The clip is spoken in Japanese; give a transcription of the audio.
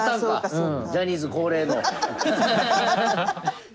ジャニーズ恒例の。